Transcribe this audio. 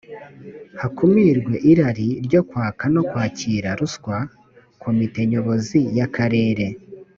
hakumirwe irari ryo kwaka no kwakira ruswa komite nyobozi y akarere